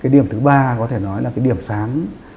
điểm thứ ba có thể nói là điểm sáng